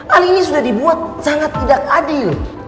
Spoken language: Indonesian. hal ini sudah dibuat sangat tidak adil